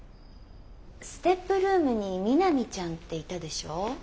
ＳＴＥＰルームにみなみちゃんっていたでしょ？